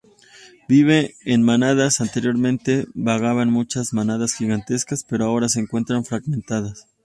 Vive en manadas; anteriormente vagaban muchas manadas gigantescas, pero ahora se encuentran fragmentadas.